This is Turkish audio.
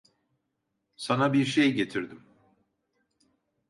Sana birşey getirdim.